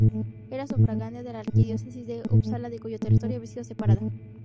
Era sufragánea de la arquidiócesis de Upsala, de cuyo territorio había sido separada.